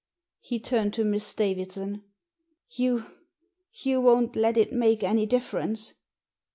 He turned to Miss Davidson. You — ^you won't let it make any difference